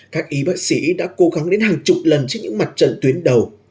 các y bác sĩ đã cố gắng đến hàng chục lần trên những mặt trận tuyến đầu